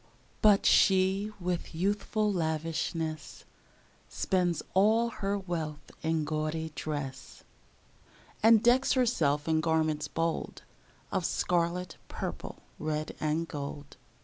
But she, with youthful lavishness, Spends all her wealth in gaudy dress, And decks herself in garments bold Of scarlet, purple, red, and gold.